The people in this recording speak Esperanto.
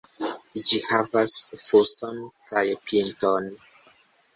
Ĝi havas fuston kaj pinton.